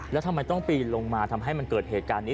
แล้วทำไมต้องปีนลงมาทำให้มันเกิดเหตุการณ์นี้